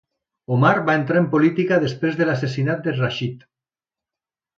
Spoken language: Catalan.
Omar va entrar en política després de l'assassinat de Rashid.